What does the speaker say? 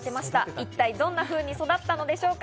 一体、どんなふうに育ったのでしょうか？